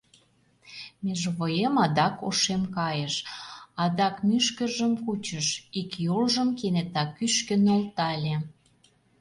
Межовоем адак ошем кайыш, адак мӱшкыржым кучыш, ик йолжым кенета кӱшкӧ нӧлтале.